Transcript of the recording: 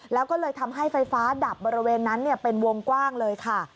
แล้วก็เลยทำให้ไฟฟ้าดับบริเวณนั้นเป็นวงกว้างเลยค่ะ